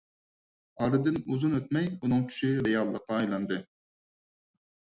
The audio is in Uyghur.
ئارىدىن ئۇزۇن ئۆتمەي ئۇنىڭ چۈشى رېئاللىققا ئايلاندى.